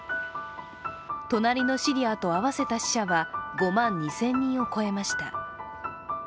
隣のシリアと合わせた死者は５万２０００人を超えました。